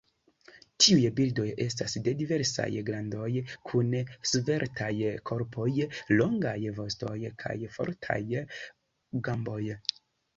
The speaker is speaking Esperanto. Tiuj birdoj estas de diversaj grandoj kun sveltaj korpoj, longaj vostoj kaj fortaj gamboj.